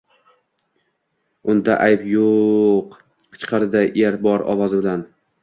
-Unda ayb yo’-o’-o’-o’q! – Qichqirdi er bor ovozi bilan.